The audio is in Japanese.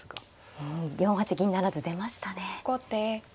うん４八銀不成出ましたね。